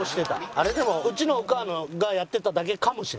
あれでもうちのお母がやってただけかもしれん。